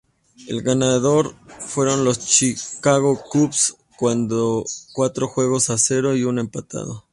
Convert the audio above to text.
El ganador fueron los Chicago Cubs cuatro juegos a cero y un empatado.